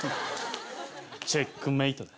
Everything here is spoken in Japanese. チェックメイトだ。